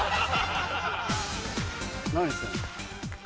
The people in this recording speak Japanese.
何してんの？